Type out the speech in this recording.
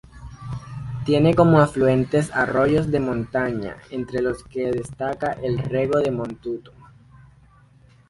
Tiene como afluentes arroyos de montaña, entre los que destaca el Rego do Montouto.